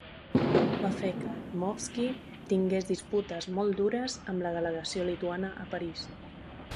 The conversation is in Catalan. Això va fer que Dmowski tingués disputes molt dures amb la delegació lituana a París.